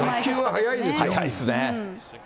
速いですよ。